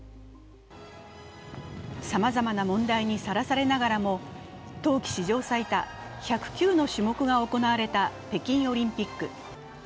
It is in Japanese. さまざまな問題にさらされながらも冬季史上最多１０９の種目が行われた北京オリンピック。